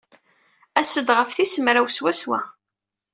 As-d ɣef tis mraw swaswa.